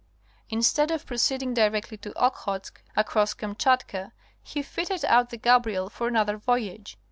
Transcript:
Instead of proceeding directly to Okhotsk across Kamchatka he fitted out the Gabriel for another voyage.